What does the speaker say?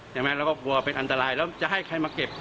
เราก็กลัวเป็นอันตรายแล้วจะให้ใครมาเก็บ